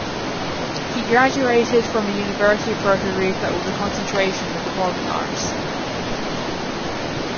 He graduated from the University of Puerto Rico with a concentration the performing arts.